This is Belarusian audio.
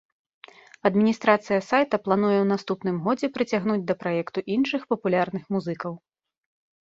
Адміністрацыя сайта плануе ў наступным годзе прыцягнуць да праекту іншых папулярных музыкаў.